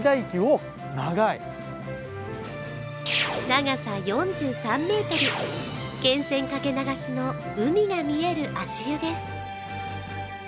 長さ４３ｍ、源泉かけ流しの海が見える足湯です。